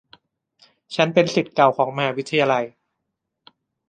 ฉันเป็นศิษย์เก่าของมหาวิทยาลัย